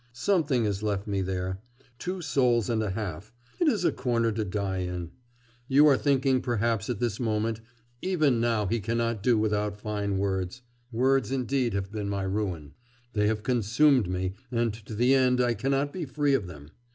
'Something is left me there. Two souls and a half. It is a corner to die in. You are thinking perhaps at this moment: "Even now he cannot do without fine words!" Words indeed have been my ruin; they have consumed me, and to the end I cannot be free of them.